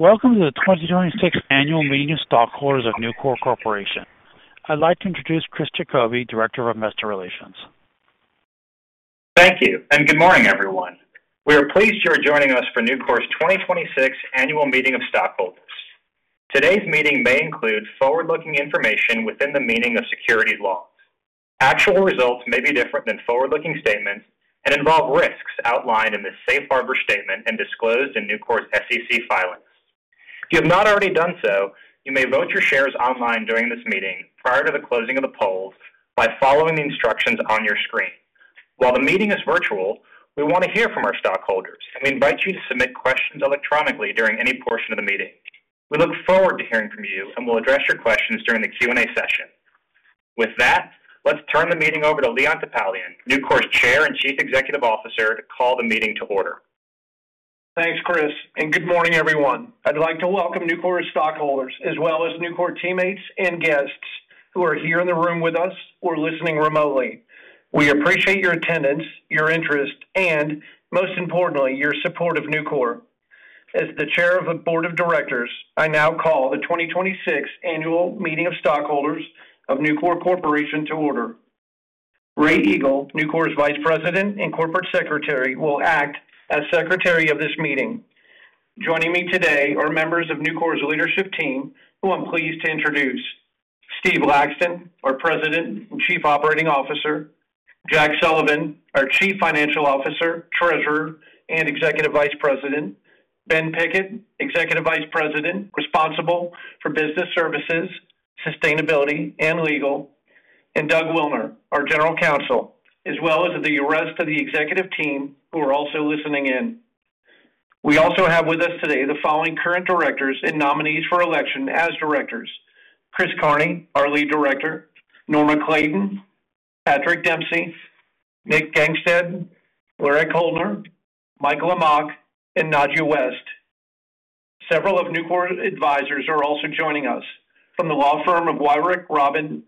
Welcome to the 2026 Annual Meeting of Stockholders of Nucor Corporation. I'd like to introduce Chris Jacobi, Director of Investor Relations. Thank you, and good morning, everyone. We are pleased you are joining us for Nucor's 2026 Annual Meeting of Stockholders. Today's meeting may include forward-looking information within the meaning of securities laws. Actual results may be different than forward-looking statements and involve risks outlined in the safe harbor statement and disclosed in Nucor's SEC filings. If you have not already done so, you may vote your shares online during this meeting prior to the closing of the polls by following the instructions on your screen. While the meeting is virtual, we wanna hear from our stockholders, and we invite you to submit questions electronically during any portion of the meeting. We look forward to hearing from you, and we'll address your questions during the Q&A session. With that, let's turn the meeting over to Leon J. Topalian, Nucor's Chair and Chief Executive Officer, to call the meeting to order. Thanks, Chris, and good morning, everyone. I'd like to welcome Nucor's stockholders as well as Nucor teammates and guests who are here in the room with us or listening remotely. We appreciate your attendance, your interest, and most importantly, your support of Nucor. As the Chair of the Board of Directors, I now call the 2026 Annual Meeting of Stockholders of Nucor Corporation to order. Rae Eagle, Nucor's Vice President and Corporate Secretary, will act as Secretary of this meeting. Joining me today are members of Nucor's leadership team, who I'm pleased to introduce. Stephen D. Laxton, our President and Chief Operating Officer; Jack Sullivan, our Chief Financial Officer, Treasurer, and Executive Vice President; Benjamin M. Pickett, Executive Vice President, responsible for business services, sustainability, and legal; and Douglas R. Wilner, our General Counsel, as well as the rest of the executive team who are also listening in. We also have with us today the following current directors and nominees for election as directors. Christopher J. Kearney, our Lead Director, Norma B. Clayton, Patrick J. Dempsey, Nicholas C. Gangestad, Laurette T. Koellner, Michael W. Lamach, and Nadja Y. West. Several of Nucor advisors are also joining us. From the law firm of, Wyrick Robbins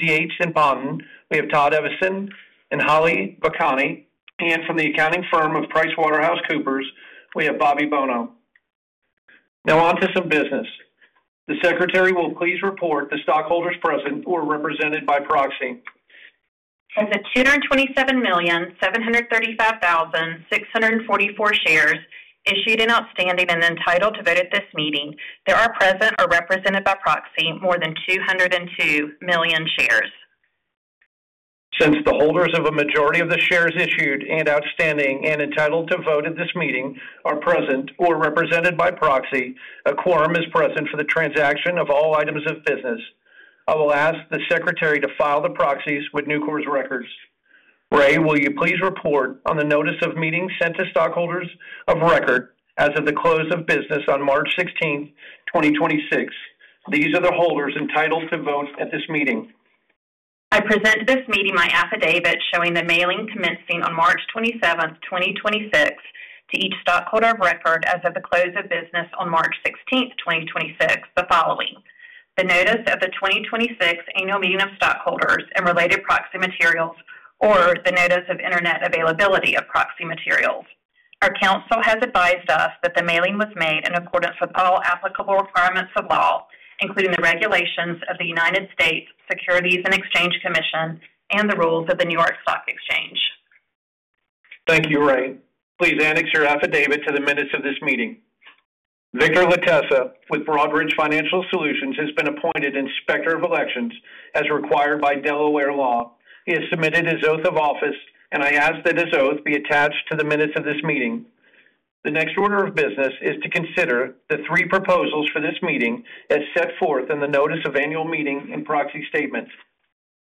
Yates & Pontonwe have Todd H. Eveson and Holly Bacani. From the accounting firm of PricewaterhouseCoopers, we have Bobby Bono. On to some business. The secretary will please report the stockholders present or represented by proxy. Of the 227,735,644 shares issued and outstanding and entitled to vote at this meeting, there are present or represented by proxy more than 202 million shares. Since the holders of a majority of the shares issued and outstanding and entitled to vote at this meeting are present or represented by proxy, a quorum is present for the transaction of all items of business. I will ask the secretary to file the proxies with Nucor's records. Rae, will you please report on the notice of meeting sent to stockholders of record as of the close of business on March 16th, 2026? These are the holders entitled to vote at this meeting. I present this meeting my affidavit showing the mailing commencing on March 27th, 2026, to each stockholder of record as of the close of business on March 16th, 2026, the following: The notice of the 2026 Annual Meeting of Stockholders and related proxy materials or the notice of internet availability of proxy materials. Our counsel has advised us that the mailing was made in accordance with all applicable requirements of law, including the regulations of the United States Securities and Exchange Commission and the rules of the New York Stock Exchange. Thank you, Rae. Please annex your affidavit to the minutes of this meeting. Victor W. Latessa with Broadridge Financial Solutions has been appointed Inspector of Elections as required by Delaware law. He has submitted his oath of office, and I ask that his oath be attached to the minutes of this meeting. The next order of business is to consider the three proposals for this meeting as set forth in the notice of annual meeting and proxy statements.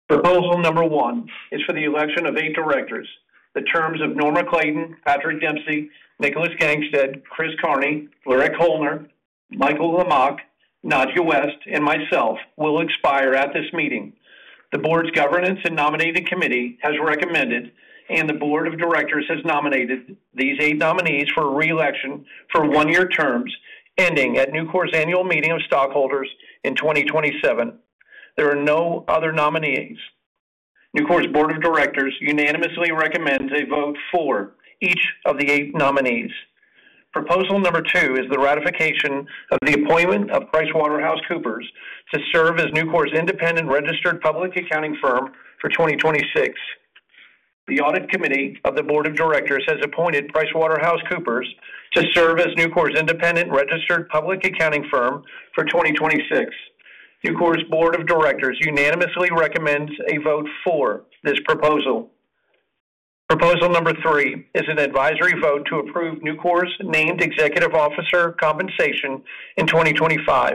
Proposal 1 is for the election of eight directors. The terms of Norma Clayton, Patrick J. Dempsey, Nicholas C. Gangestad, Chris Kearney, Laurette T. Koellner, Michael W. Lamach, Nadja Y. West, and myself will expire at this meeting. The board's governance and nominating committee has recommended, and the board of directors has nominated these eight nominees for reelection for one-year terms ending at Nucor's Annual Meeting of Stockholders in 2027. There are no other nominees. Nucor's board of directors unanimously recommends a vote for each of the eight nominees. Proposal 2 is the ratification of the appointment of PricewaterhouseCoopers to serve as Nucor's independent registered public accounting firm for 2026. The audit committee of the board of directors has appointed PricewaterhouseCoopers to serve as Nucor's independent registered public accounting firm for 2026. Nucor's board of directors unanimously recommends a vote for this proposal. Proposal 3 is an advisory vote to approve Nucor's named executive officer compensation in 2025.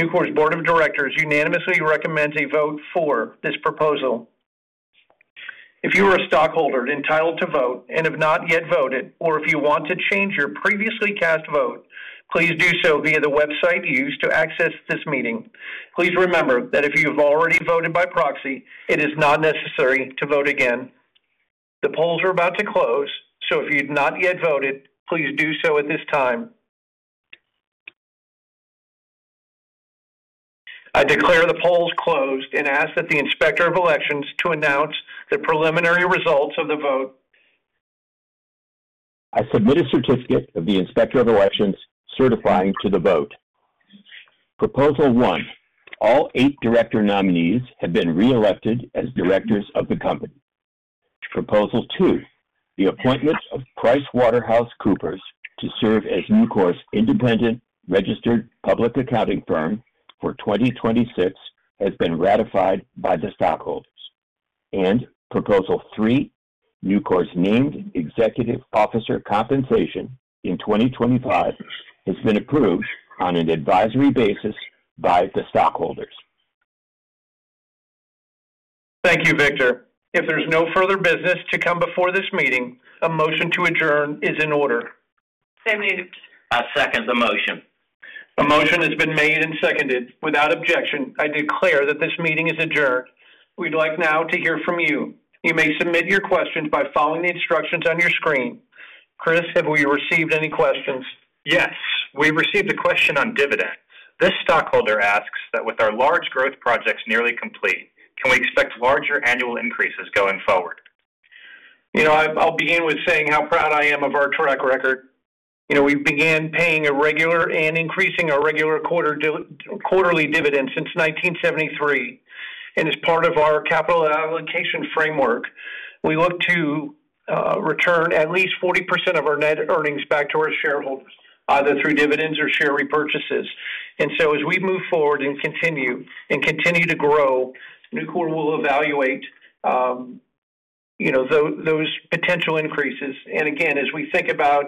Nucor's board of directors unanimously recommends a vote for this proposal. If you are a stockholder entitled to vote and have not yet voted, or if you want to change your previously cast vote, please do so via the website used to access this meeting. Please remember that if you have already voted by proxy, it is not necessary to vote again. The polls are about to close, so if you've not yet voted, please do so at this time. I declare the polls closed and ask that the Inspector of Elections to announce the preliminary results of the vote. I submit a certificate of the Inspector of Elections certifying to the vote. Proposal 1, all eight director nominees have been reelected as directors of the company. Proposal 2, the appointment of PricewaterhouseCoopers to serve as Nucor's independent registered public accounting firm for 2026 has been ratified by the stockholders. Proposal 3, Nucor's named executive officer compensation in 2025 has been approved on an advisory basis by the stockholders. Thank you, Victor. If there's no further business to come before this meeting, a motion to adjourn is in order. Moved. I second the motion. A motion has been made and seconded. Without objection, I declare that this meeting is adjourned. We'd like now to hear from you. You may submit your questions by following the instructions on your screen. Chris, have we received any questions? We received a question on dividends. This stockholder asks that with our large growth projects nearly complete, can we expect larger annual increases going forward? You know, I'll begin with saying how proud I am of our track record. You know, we began paying a regular and increasing our regular quarterly dividend since 1973. As part of our capital allocation framework, we look to return at least 40% of our net earnings back to our shareholders, either through dividends or share repurchases. As we move forward and continue to grow, Nucor will evaluate, you know, those potential increases. Again, as we think about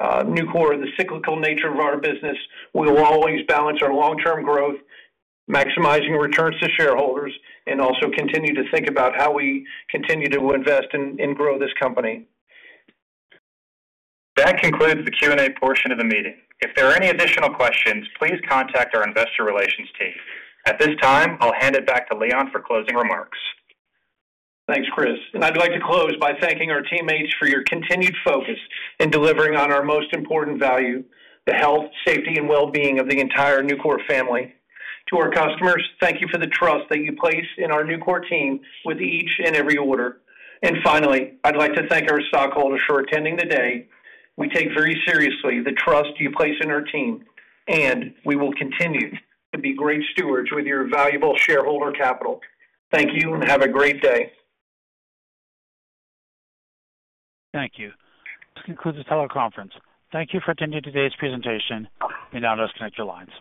Nucor and the cyclical nature of our business, we will always balance our long-term growth, maximizing returns to shareholders, and also continue to think about how we continue to invest and grow this company. That concludes the Q&A portion of the meeting. If there are any additional questions, please contact our investor relations team. At this time, I'll hand it back to Leon for closing remarks. Thanks, Chris. I'd like to close by thanking our teammates for your continued focus in delivering on our most important value, the health, safety, and well-being of the entire Nucor family. To our customers, thank you for the trust that you place in our Nucor team with each and every order. Finally, I'd like to thank our stockholders for attending today. We take very seriously the trust you place in our team, and we will continue to be great stewards with your valuable shareholder capital. Thank you and have a great day. Thank you. This concludes this teleconference. Thank you for attending today's presentation. You may now disconnect your lines.